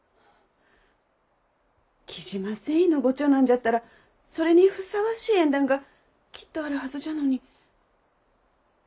雉真繊維のご長男じゃったらそれにふさわしい縁談がきっとあるはずじゃのに。